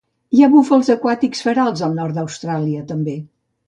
Hi ha búfals aquàtics ferals al nord d'Austràlia també.